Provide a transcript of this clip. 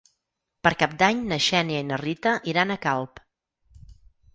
Per Cap d'Any na Xènia i na Rita iran a Calp.